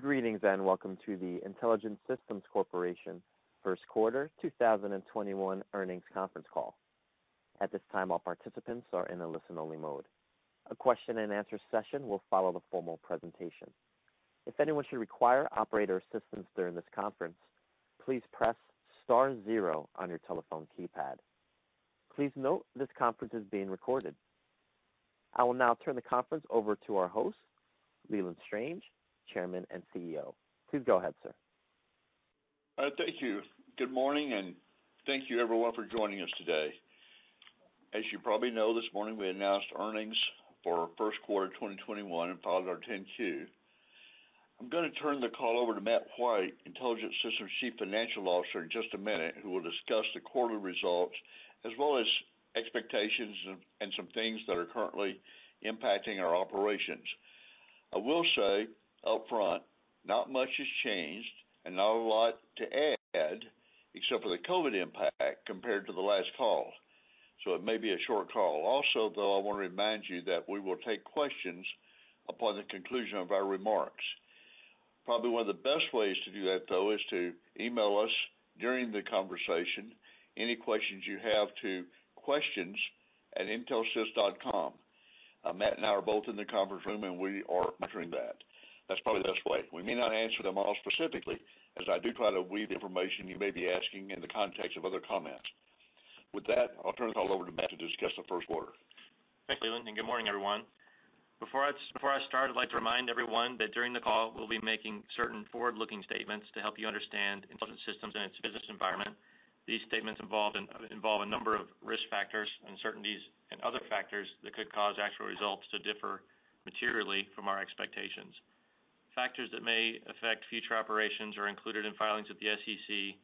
Greetings, and welcome to the Intelligent Systems Corporation first quarter 2021 earnings conference call. At this time, all participants are in a listen-only mode. A question and answer session will follow the formal presentation. If anyone should require operator assistance during this conference, please press star zero on your telephone keypad. Please note this conference is being recorded. I will now turn the conference over to our host, Leland Strange, Chairman and CEO. Please go ahead, sir. Thank you. Good morning, and thank you everyone for joining us today. As you probably know, this morning we announced earnings for first quarter 2021 and filed our 10-Q. I'm going to turn the call over to Matt White, Intelligent Systems' Chief Financial Officer, in just a minute, who will discuss the quarterly results as well as expectations and some things that are currently impacting our operations. I will say upfront, not much has changed and not a lot to add except for the COVID impact compared to the last call, so it may be a short call. Also, though, I want to remind you that we will take questions upon the conclusion of our remarks. Probably one of the best ways to do that, though, is to email us during the conversation any questions you have to questions@intelsys.com. Matt and I are both in the conference room, and we are monitoring that. That's probably the best way. We may not answer them all specifically, as I do try to weave the information you may be asking in the context of other comments. With that, I'll turn the call over to Matt to discuss the first quarter. Thanks, Leland, and good morning, everyone. Before I start, I'd like to remind everyone that during the call, we'll be making certain forward-looking statements to help you understand Intelligent Systems and its business environment. These statements involve a number of risk factors, uncertainties, and other factors that could cause actual results to differ materially from our expectations. Factors that may affect future operations are included in filings with the SEC,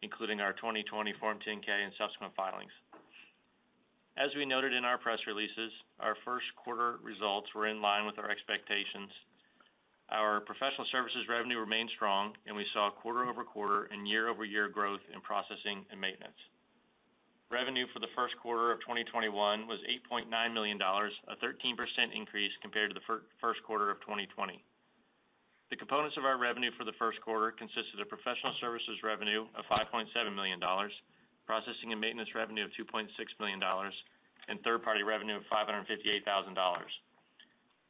including our 2020 Form 10-K and subsequent filings. As we noted in our press releases, our first quarter results were in line with our expectations. Our professional services revenue remained strong, and we saw quarter-over-quarter and year-over-year growth in processing and maintenance. Revenue for the first quarter of 2021 was $8.9 million, a 13% increase compared to the first quarter of 2020. The components of our revenue for the first quarter consisted of professional services revenue of $5.7 million, processing and maintenance revenue of $2.6 million, and third-party revenue of $558,000.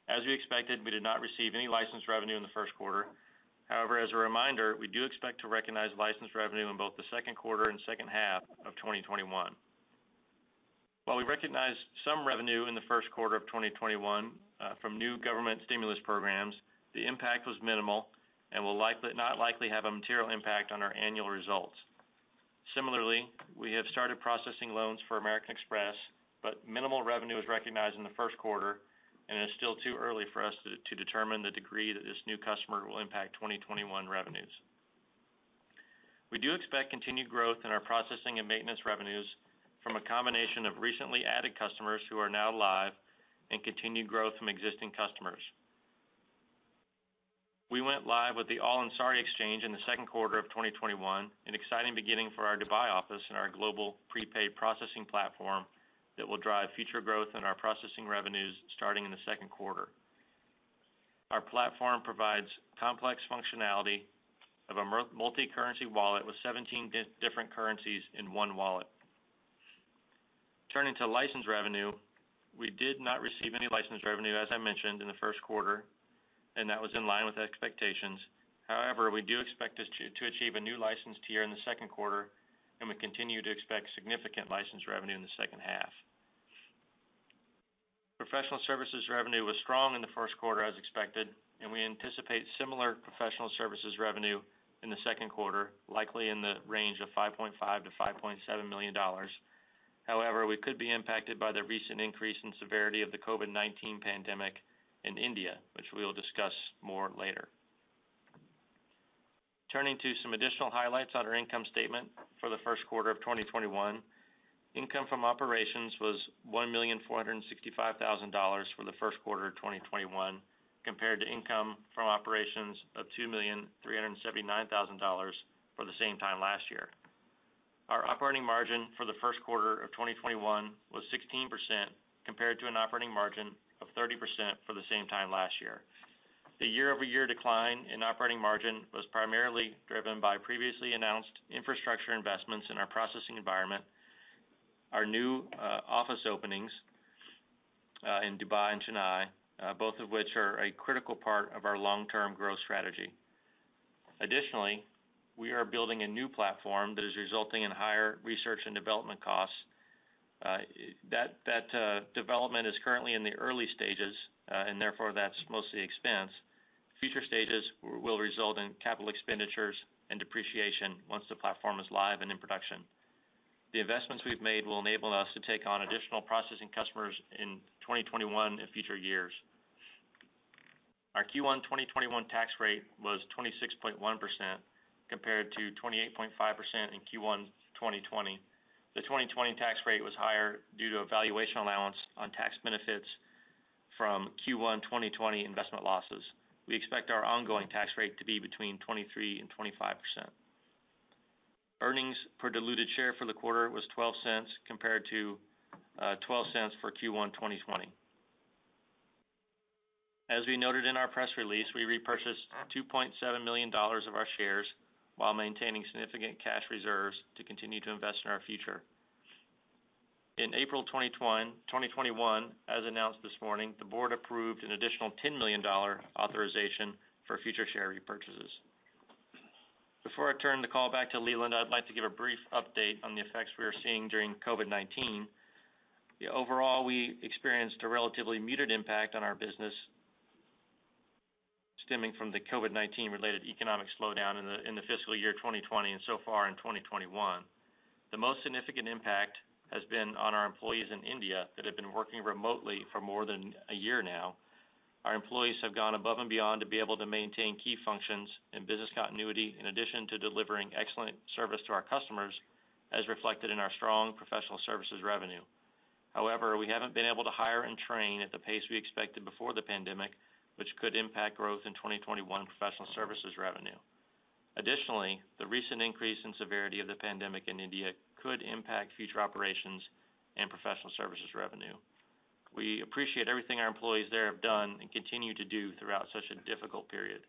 As we expected, we did not receive any license revenue in the first quarter. However, as a reminder, we do expect to recognize license revenue in both the second quarter and second half of 2021. While we recognized some revenue in the first quarter of 2021 from new government stimulus programs, the impact was minimal and will not likely have a material impact on our annual results. Similarly, we have started processing loans for American Express, but minimal revenue was recognized in the first quarter, and it is still too early for us to determine the degree that this new customer will impact 2021 revenues. We do expect continued growth in our processing and maintenance revenues from a combination of recently added customers who are now live and continued growth from existing customers. We went live with the Al Ansari Exchange in the second quarter of 2021, an exciting beginning for our Dubai office and our global prepaid processing platform that will drive future growth in our processing revenues starting in the second quarter. Our platform provides complex functionality of a multi-currency wallet with 17 different currencies in one wallet. Turning to license revenue, we did not receive any license revenue, as I mentioned, in the first quarter, and that was in line with expectations. However, we do expect to achieve a new license tier in the second quarter, and we continue to expect significant license revenue in the second half. Professional services revenue was strong in the first quarter as expected, and we anticipate similar professional services revenue in the second quarter, likely in the range of $5.5 million-$5.7 million. However, we could be impacted by the recent increase in severity of the COVID-19 pandemic in India, which we will discuss more later. Turning to some additional highlights on our income statement for the first quarter of 2021. Income from operations was $1,465,000 for the first quarter of 2021 compared to income from operations of $2,379,000 for the same time last year. Our operating margin for the first quarter of 2021 was 16% compared to an operating margin of 30% for the same time last year. The year-over-year decline in operating margin was primarily driven by previously announced infrastructure investments in our processing environment, our new office openings in Dubai and Chennai, both of which are a critical part of our long-term growth strategy. Additionally, we are building a new platform that is resulting in higher research and development costs. That development is currently in the early stages, and therefore, that's mostly expense. Future stages will result in capital expenditures and depreciation once the platform is live and in production. The investments we've made will enable us to take on additional processing customers in 2021 and future years. Our Q1 2021 tax rate was 26.1% compared to 28.5% in Q1 2020. The 2020 tax rate was higher due to a valuation allowance on tax benefits from Q1 2020 investment losses. We expect our ongoing tax rate to be between 23% and 25%. Earnings per diluted share for the quarter was $0.12 compared to $0.12 for Q1 2020. As we noted in our press release, we repurchased $2.7 million of our shares while maintaining significant cash reserves to continue to invest in our future. In April 2021, as announced this morning, the board approved an additional $10 million authorization for future share repurchases. Before I turn the call back to Leland, I'd like to give a brief update on the effects we are seeing during COVID-19. Overall, we experienced a relatively muted impact on our business stemming from the COVID-19 related economic slowdown in the fiscal year 2020 and so far in 2021. The most significant impact has been on our employees in India that have been working remotely for more than a year now. Our employees have gone above and beyond to be able to maintain key functions and business continuity, in addition to delivering excellent service to our customers, as reflected in our strong professional services revenue. However, we haven't been able to hire and train at the pace we expected before the pandemic, which could impact growth in 2021 professional services revenue. Additionally, the recent increase in severity of the pandemic in India could impact future operations and professional services revenue. We appreciate everything our employees there have done and continue to do throughout such a difficult period.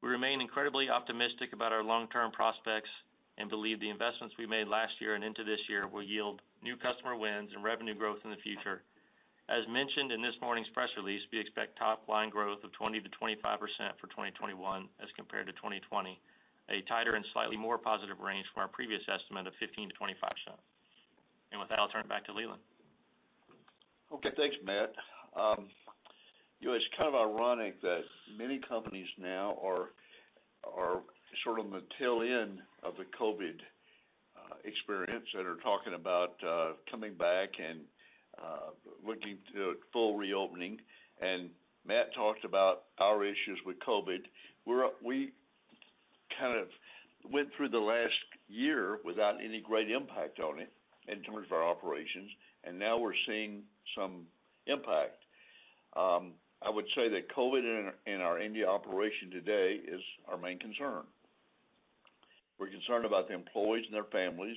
We remain incredibly optimistic about our long-term prospects and believe the investments we made last year and into this year will yield new customer wins and revenue growth in the future. As mentioned in this morning's press release, we expect top-line growth of 20%-25% for 2021 as compared to 2020, a tighter and slightly more positive range from our previous estimate of 15%-25%. With that, I'll turn it back to Leland. Okay. Thanks, Matt. It's kind of ironic that many companies now are sort of on the tail end of the COVID experience and are talking about coming back and looking to full reopening, and Matt talked about our issues with COVID. We kind of went through the last year without any great impact on it in terms of our operations, and now we're seeing some impact. I would say that COVID in our India operation today is our main concern. We're concerned about the employees and their families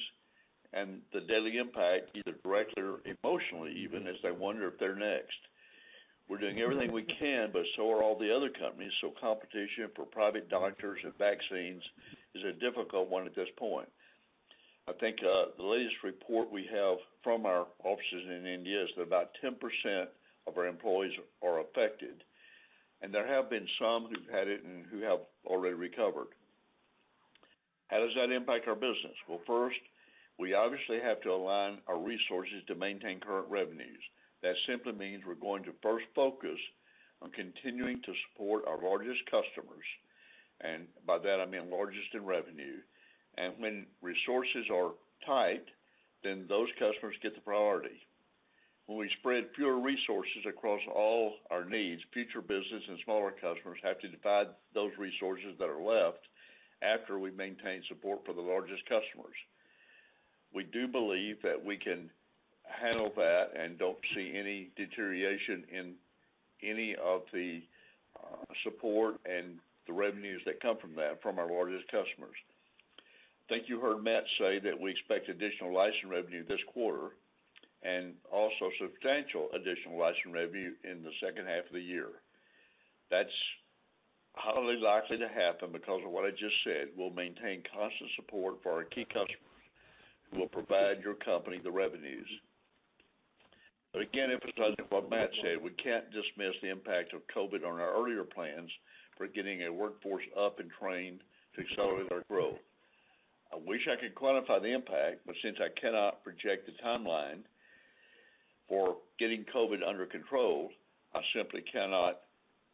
and the daily impact, either directly or emotionally even, as they wonder if they're next. We're doing everything we can, but so are all the other companies, so competition for private doctors and vaccines is a difficult one at this point. I think the latest report we have from our offices in India is that about 10% of our employees are affected, and there have been some who've had it and who have already recovered. How does that impact our business? Well, first, we obviously have to align our resources to maintain current revenues. That simply means we're going to first focus on continuing to support our largest customers, and by that I mean largest in revenue. When resources are tight, then those customers get the priority. When we spread fewer resources across all our needs, future business and smaller customers have to divide those resources that are left after we maintain support for the largest customers. We do believe that we can handle that and don't see any deterioration in any of the support and the revenues that come from that, from our largest customers. I think you heard Matt say that we expect additional license revenue this quarter, and also substantial additional license revenue in the second half of the year. That's highly likely to happen because of what I just said. We'll maintain constant support for our key customers who will provide your company the revenues. Again, emphasizing what Matt said, we can't dismiss the impact of COVID on our earlier plans for getting a workforce up and trained to accelerate our growth. I wish I could quantify the impact, since I cannot project the timeline for getting COVID under control, I simply cannot,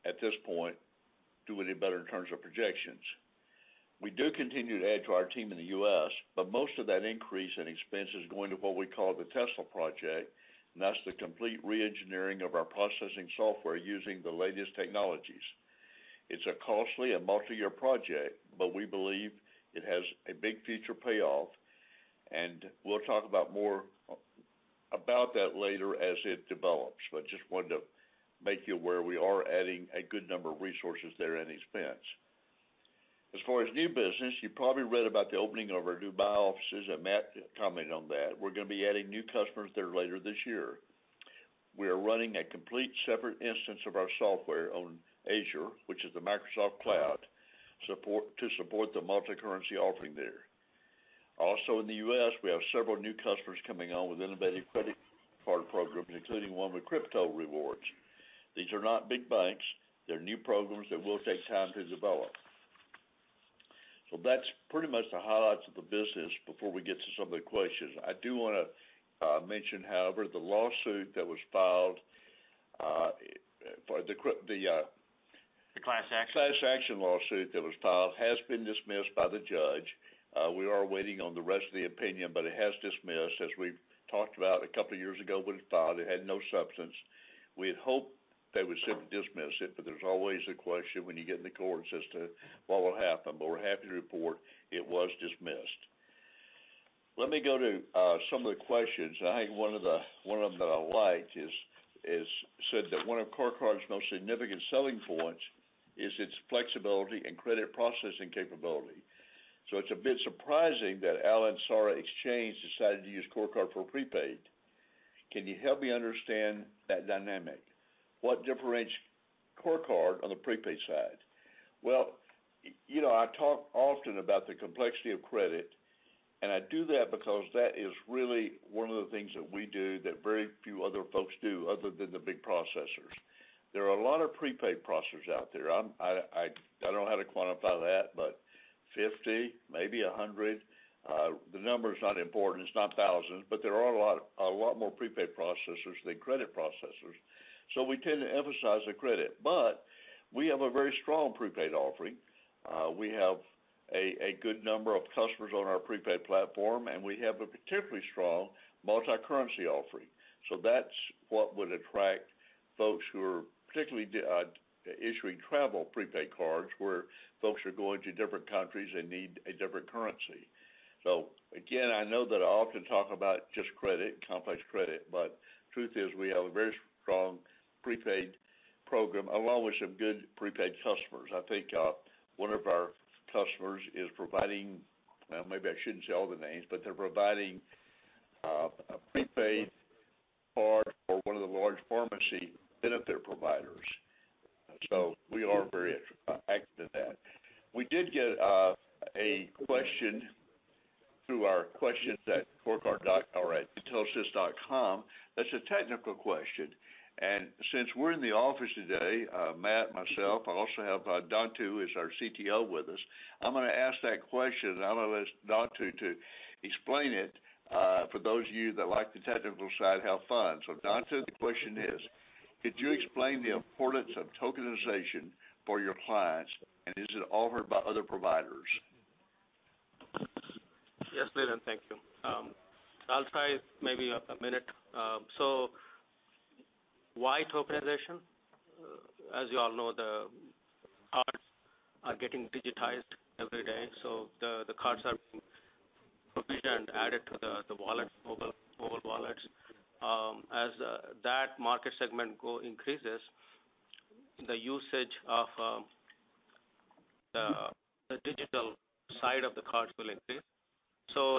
at this point, do any better in terms of projections. We do continue to add to our team in the U.S., but most of that increase in expense is going to what we call the Tesla project, and that's the complete re-engineering of our processing software using the latest technologies. It's a costly and multi-year project, but we believe it has a big future payoff, and we'll talk about more about that later as it develops. Just wanted to make you aware, we are adding a good number of resources there in expense. As far as new business, you probably read about the opening of our Dubai offices, and Matt commented on that. We're going to be adding new customers there later this year. We are running a complete separate instance of our software on Azure, which is the Microsoft cloud, to support the multi-currency offering there. Also in the U.S., we have several new customers coming on with innovative credit card programs, including one with crypto rewards. These are not big banks. They're new programs that will take time to develop. That's pretty much the highlights of the business before we get to some of the questions. I do want to mention, however, the lawsuit that was filed for the. The class action. Class action lawsuit that was filed has been dismissed by the judge. We are waiting on the rest of the opinion, but it has dismissed. As we've talked about a couple of years ago when it was filed, it had no substance. We had hoped they would simply dismiss it, but there's always a question when you get into court as to what will happen. We're happy to report it was dismissed. Let me go to some of the questions. I think one of them that I liked said that one of CoreCard's most significant selling points is its flexibility and credit processing capability. It's a bit surprising that Al Ansari Exchange decided to use CoreCard for prepaid. Can you help me understand that dynamic? What differentiates CoreCard on the prepaid side? I talk often about the complexity of credit, and I do that because that is really one of the things that we do that very few other folks do other than the big processors. There are a lot of prepaid processors out there. I don't know how to quantify that, but 50, maybe 100. The number is not important. It's not thousands, but there are a lot more prepaid processors than credit processors. We tend to emphasize the credit, but we have a very strong prepaid offering. We have a good number of customers on our prepaid platform, and we have a particularly strong multi-currency offering. That's what would attract folks who are particularly issuing travel prepaid cards, where folks are going to different countries and need a different currency. Again, I know that I often talk about just credit, complex credit, but truth is, we have a very strong prepaid program along with some good prepaid customers. I think one of our customers is providing, maybe I shouldn't say all the names, but they're providing a prepaid card for one of the large pharmacy benefit providers. We are very active in that. We did get a question through our questions@intelsys.com that's a technical question, and since we're in the office today Matt, myself, I also have Dontu, who's our CTO with us. I'm going to ask that question, and I'm going to ask Dontu to explain it for those of you that like the technical side, have fun. Dontu, the question is: Could you explain the importance of tokenization for your clients, and is it offered by other providers? Yes, Leland, thank you. I'll try maybe a minute. Why tokenization? As you all know, the cards are getting digitized every day, so the cards are provisioned, added to the wallets, mobile wallets. As that market segment increases, the usage of the digital side of the cards will increase.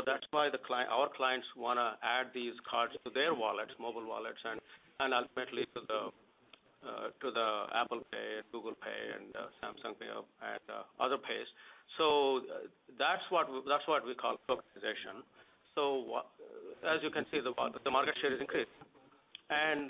That's why our clients want to add these cards to their wallets, mobile wallets, and ultimately to the Apple Pay, Google Pay, and Samsung Pay, and other pays. That's what we call tokenization. As you can see, the market share is increasing, and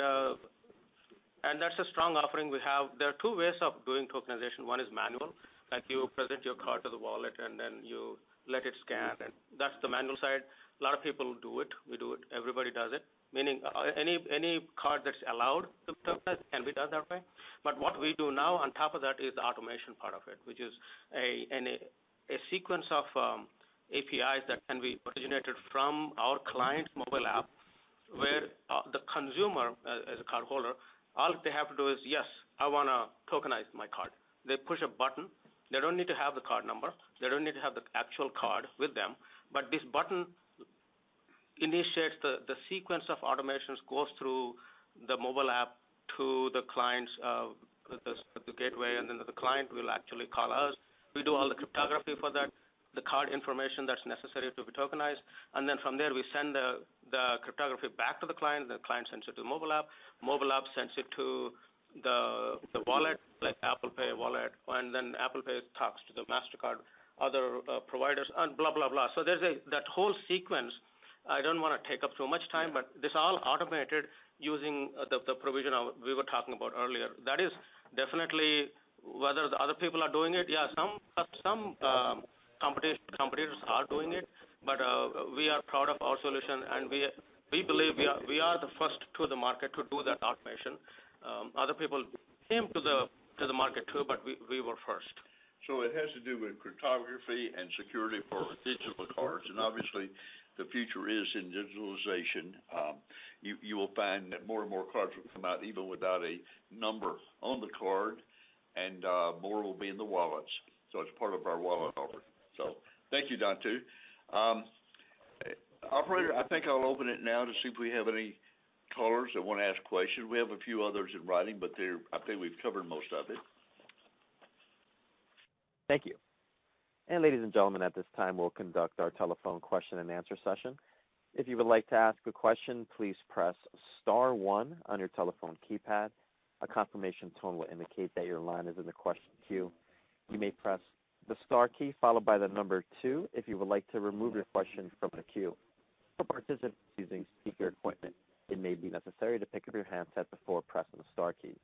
that's a strong offering we have. There are two ways of doing tokenization. One is manual, like you present your card to the wallet, and then you let it scan, and that's the manual side. A lot of people do it. We do it. Everybody does it, meaning any card that's allowed to token can be done that way. What we do now on top of that is the automation part of it, which is a sequence of APIs that can be originated from our client mobile app, where the consumer, as a cardholder, all they have to do is, "Yes, I want to tokenize my card." They push a button. They don't need to have the card number. They don't need to have the actual card with them. This button initiates the sequence of automations, goes through the mobile app to the client's, the gateway, and then the client will actually call us. We do all the cryptography for that, the card information that's necessary to be tokenized, and then from there, we send the cryptography back to the client. The client sends it to the mobile app, mobile app sends it to the wallet, like Apple Pay wallet, and then Apple Pay talks to the Mastercard, other providers, and blah, blah. There's that whole sequence. I don't want to take up too much time, but this is all automated using the provision we were talking about earlier. That is definitely whether the other people are doing it. Yeah, some competitors are doing it, but we are proud of our solution, and we believe we are the first to the market to do that automation. Other people came to the market too, but we were first. It has to do with cryptography and security for digital cards. Obviously, the future is in digitalization. You will find that more and more cards will come out even without a number on the card, and more will be in the wallets. It's part of our wallet offering. Thank you, Dontu. Operator, I think I'll open it now to see if we have any callers that want to ask questions. We have a few others in writing, but I think we've covered most of it. Thank you. And ladies and gentlemen, at this time, we'll conduct our telephone question-and-answer session. If you would like to ask a question, please press star one on your telephone keypad. A confirmation tone will indicate that your line is in the question queue. You may press the star key followed by the number two if you would like to remove your question from the queue. For participants using speaker equipment, it may be necessary to pick up your handset before pressing the star keys.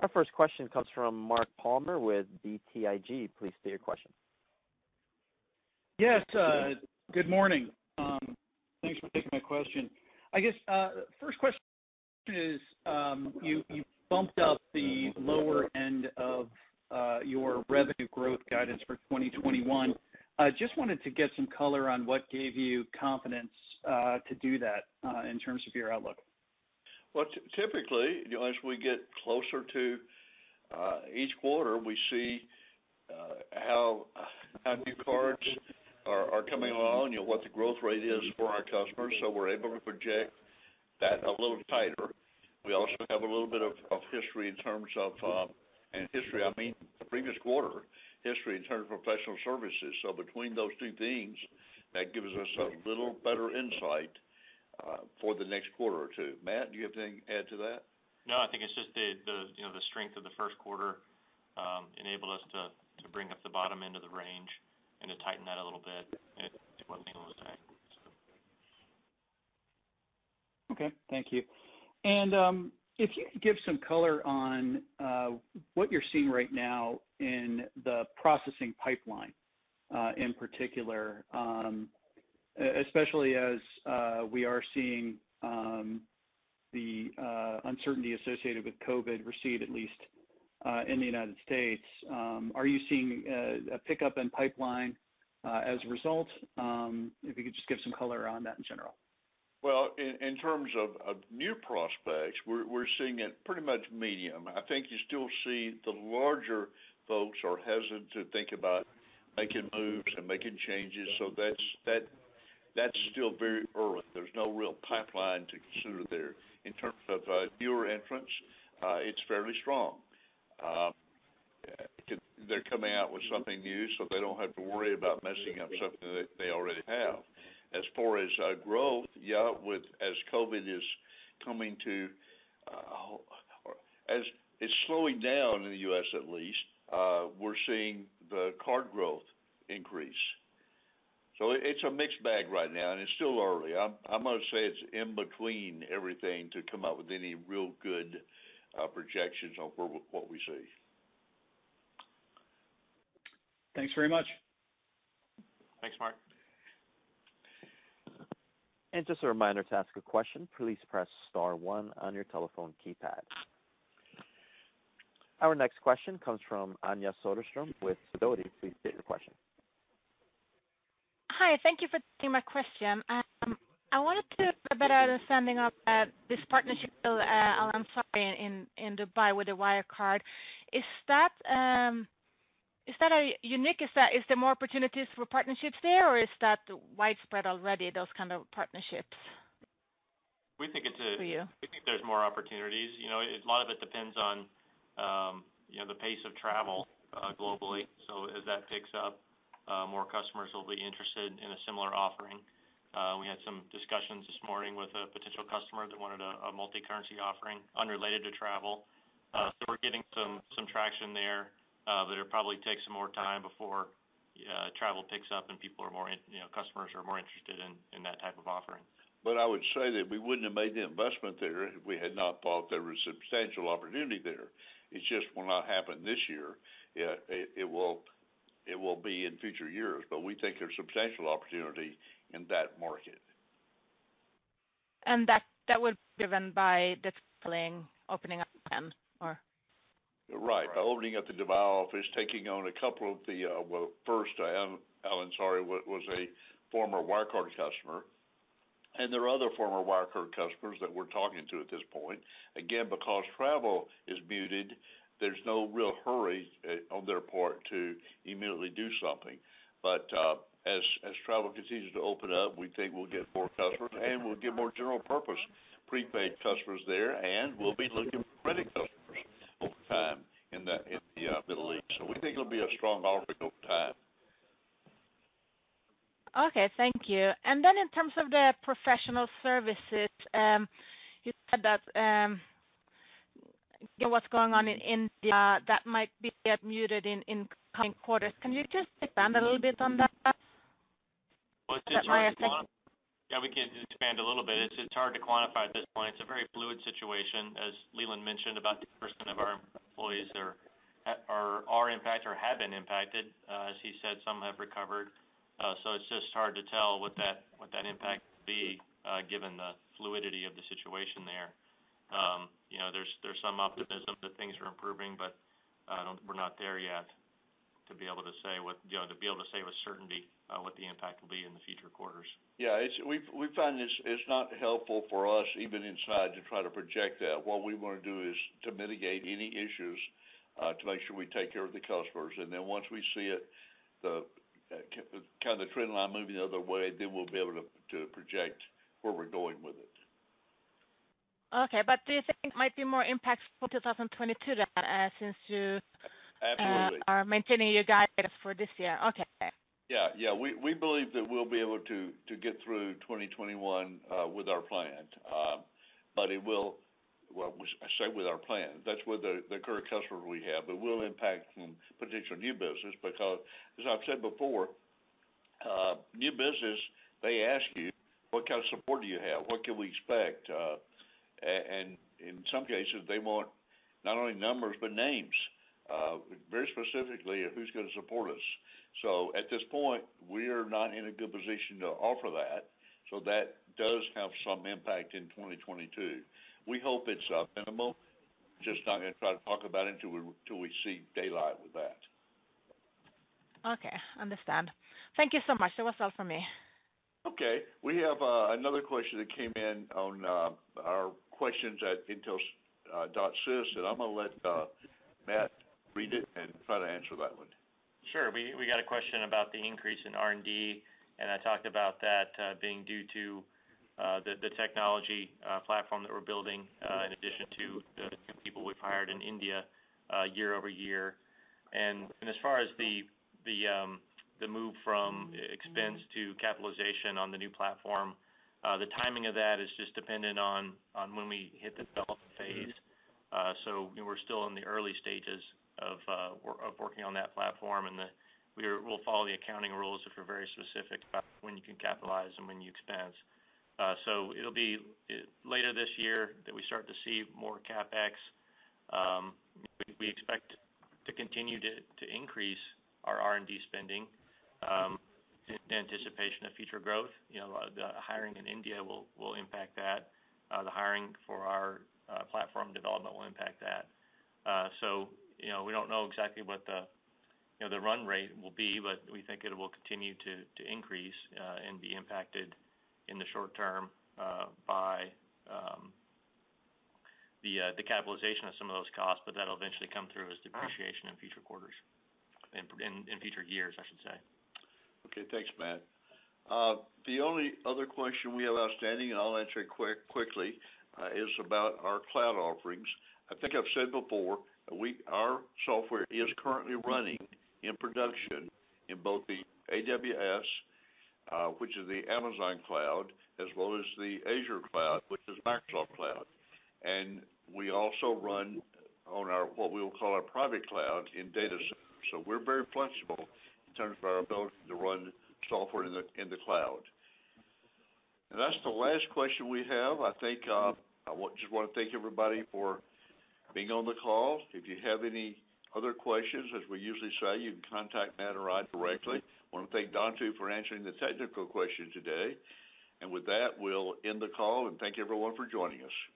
Our first question comes from Mark Palmer with BTIG. Please state your question. Yes. Good morning. Thanks for taking my question. I guess first question is, you bumped up the lower end of your revenue growth guidance for 2021. Just wanted to get some color on what gave you confidence to do that in terms of your outlook. Typically, as we get closer to each quarter, we see how new cards are coming along, what the growth rate is for our customers, so we're able to project that a little tighter. We also have a little bit of history in terms of, I mean the previous quarter history in terms of professional services. Between those two things, that gives us a little better insight for the next quarter or two. Matt, do you have anything to add to that? No, I think it's just the strength of the first quarter enabled us to bring up the bottom end of the range and to tighten that a little bit. It was thing I want to say. Okay. Thank you. If you could give some color on what you're seeing right now in the processing pipeline, in particular, especially as we are seeing the uncertainty associated with COVID recede, at least, in the United States. Are you seeing a pickup in pipeline as a result? If you could just give some color on that in general. Well, in terms of new prospects, we're seeing it pretty much medium. I think you still see the larger folks are hesitant to think about making moves and making changes, so that's still very early. There's no real pipeline to consider there. In terms of newer entrants, it's fairly strong. They're coming out with something new, so they don't have to worry about messing up something that they already have. As far as growth, yeah, as COVID is slowing down in the U.S., at least, we're seeing the card growth increase. It's a mixed bag right now, and it's still early. I'm going to say it's in between everything to come out with any real good projections on what we see. Thanks very much. Thanks, Mark. Just a reminder to ask a question, please press star one on your telephone keypad. Our next question comes from Anja Soderstrom with Sidoti. Please state your question. Hi. Thank you for taking my question. I wanted to get a better understanding of this partnership you built, Al Ansari in Dubai with the Wirecard. Is that unique? Is there more opportunities for partnerships there, or is that widespread already, those kind of partnerships? We think there's more opportunities. A lot of it depends on the pace of travel globally, so as that picks up, more customers will be interested in a similar offering. We had some discussions this morning with a potential customer that wanted a multi-currency offering unrelated to travel. We're getting some traction there. It'll probably take some more time before travel picks up and customers are more interested in that type of offering. I would say that we wouldn't have made the investment there if we had not thought there was substantial opportunity there. It just will not happen this year. It will be in future years. We think there's substantial opportunity in that market. That was driven by this filing opening up then, or? Right. By opening up the Dubai office, taking on a couple of the Well, first, Al Ansari was a former Wirecard customer, and there are other former Wirecard customers that we're talking to at this point. Because travel is muted, there's no real hurry on their part to immediately do something. As travel continues to open up, we think we'll get more customers, and we'll get more general-purpose prepaid customers there, and we'll be looking for credit customers over time in the Middle East. We think it'll be a strong offering over time. Okay. Thank you. In terms of the professional services, you said that what's going on in India that might be muted in coming quarters. Can you just expand a little bit on that, Matt? Well, it's just hard to- Is that why you're saying? Yeah, we can expand a little bit. It's hard to quantify at this point. It's a very fluid situation. As Leland mentioned, about 10% of our employees are impacted or have been impacted. As he said, some have recovered. It's just hard to tell what that impact will be, given the fluidity of the situation there. There's some optimism that things are improving, but we're not there yet to be able to say with certainty what the impact will be in the future quarters. Yeah. We find it's not helpful for us, even inside, to try to project that. What we want to do is to mitigate any issues to make sure we take care of the customers. Then once we see it, the trend line moving the other way, then we'll be able to project where we're going with it. Okay. Do you think there might be more impact for 2022 then? Absolutely Are maintaining your guidance for this year? Okay. Yeah. We believe that we'll be able to get through 2021 with our plan. Well, I say with our plan, that's with the current customers we have, but it will impact some potential new business because, as I've said before, new business, they ask you, "What kind of support do you have? What can we expect?" In some cases, they want not only numbers but names, very specifically of who's going to support us. At this point, we're not in a good position to offer that. That does have some impact in 2022. We hope it's minimal. Just not going to try to talk about it until we see daylight with that. Okay, understand. Thank you so much. That was all for me. Okay. We have another question that came in on our questions@intelsys.com. I'm going to let Matt read it and try to answer that one. Sure. We got a question about the increase in R&D, and I talked about that being due to the technology platform that we're building, in addition to the people we've hired in India year-over-year. As far as the move from expense to capitalization on the new platform, the timing of that is just dependent on when we hit the development phase. We're still in the early stages of working on that platform, and we'll follow the accounting rules, which are very specific about when you can capitalize and when you expense. It'll be later this year that we start to see more CapEx. We expect to continue to increase our R&D spending in anticipation of future growth. The hiring in India will impact that. The hiring for our platform development will impact that. We don't know exactly what the run rate will be, but we think it will continue to increase and be impacted in the short term by the capitalization of some of those costs. That'll eventually come through as depreciation in future quarters. In future years, I should say. Okay. Thanks, Matt. The only other question we have outstanding, and I'll answer it quickly, is about our cloud offerings. I think I've said before, our software is currently running in production in both the AWS, which is the Amazon cloud, as well as the Azure cloud, which is Microsoft cloud. We also run on our, what we will call our private cloud in data centers. We're very flexible in terms of our ability to run software in the cloud. That's the last question we have, I think. I just want to thank everybody for being on the call. If you have any other questions, as we usually say, you can contact Matt or I directly. I want to thank Dontu for answering the technical questions today. With that, we'll end the call and thank everyone for joining us.